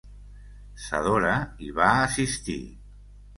Zadora hi va assistir.